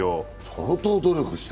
相当努力した。